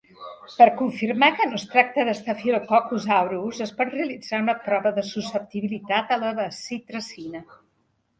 Per confirmar que no es tracta de Staphylococcus aureus, es pot realitzar una prova de susceptibilitat a la bacitracina.